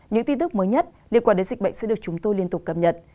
những tin tức mới nhất liên quan đến dịch bệnh sẽ được chúng tôi liên tục cập nhật